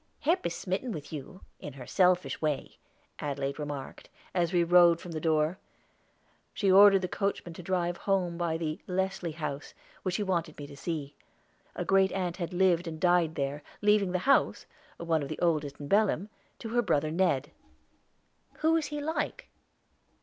"Hep, is smitten with you, in her selfish way," Adelaide remarked, as we rode from the door. She ordered the coachman to drive home by the "Leslie House," which she wanted me to see. A great aunt had lived and died there, leaving the house one of the oldest in Belem to her brother Ned. "Who is he like?"